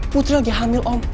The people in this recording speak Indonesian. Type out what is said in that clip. putri lagi hamil om